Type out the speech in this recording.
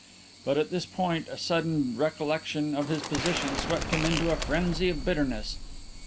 But at this point a sudden recollection of his position swept him into a frenzy of bitterness.